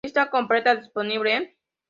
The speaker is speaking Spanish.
Lista completa disponible en